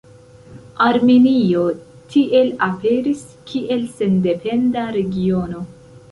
Armenio tiel aperis kiel sendependa regiono.